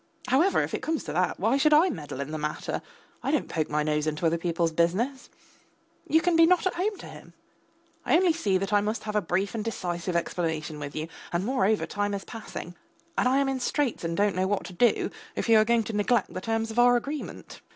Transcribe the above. However, if it comes to that, why should I meddle in the matter? I don't poke my nose into other people's business. You can be not at home to him; I only see that I must have a brief and decisive explanation with you, and, moreover, time is passing. And I am in straits and don't know what to do if you are going to neglect the terms of our agreement.